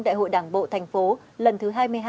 đại hội đảng bộ thành phố lần thứ hai mươi hai